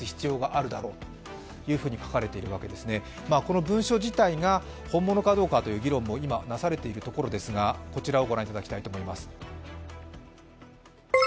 この文書自体が本物かどうかという議論も今なされているところですが、こちらをご覧いただきたいと思います。